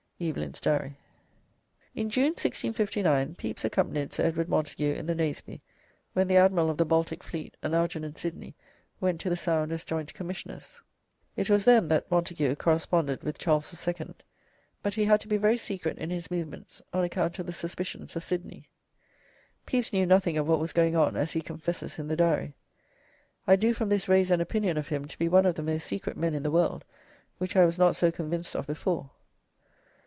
Evelyn's Diary.] In June, 1659, Pepys accompanied Sir Edward Montage in the "Naseby," when the Admiral of the Baltic Fleet and Algernon Sidney went to the Sound as joint commissioners. It was then that Montage corresponded with Charles II., but he had to be very secret in his movements on account of the suspicions of Sidney. Pepys knew nothing of what was going on, as he confesses in the Diary: "I do from this raise an opinion of him, to be one of the most secret men in the world, which I was not so convinced of before."